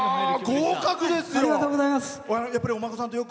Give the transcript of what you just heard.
合格ですよ。